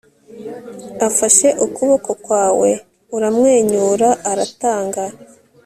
afashe ukuboko kwawe; uramwenyura, aratanga